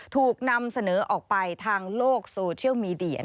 ถูกนำเสนอออกไปทางโลกโซเชียลมีเดีย